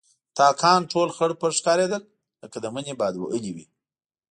تاکونه ټول خړپړ ښکارېدل لکه د مني باد وهلي وي.